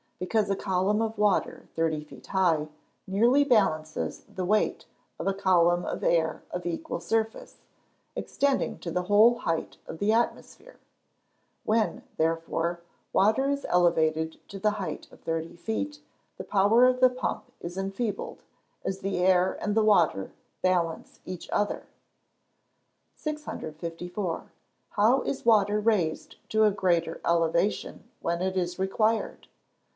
_ Because a column of water of thirty feet high, nearly balances the weight of a column of air of equal surface, extending to the whole height of the atmosphere. When, therefore, water is elevated to the height of thirty feet, the power of the pump is enfeebled, as the air and the water balance each other. 654. _How is water raised to a greater elevation when it is required?